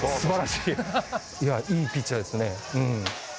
いや、いいピッチャーですね。